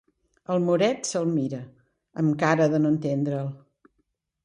El moret se'l mira, amb cara de no entendre'l.